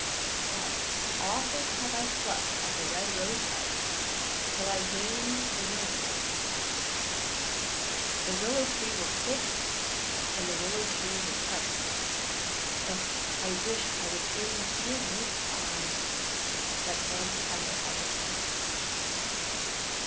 But often have I plucked at the red rose bud till I gained the willow tree; The willow tree will twist, and the willow tree will twice,â O! I wish I was in the dear youthâs arms that once had the heart of mine.